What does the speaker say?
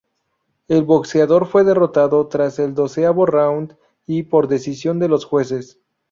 El boxeador fue derrotado tras el doceavo round y por decisión de los jueces.